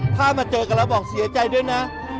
ถ้ามาเจอกันแล้วบอกเสียใจด้วยนะ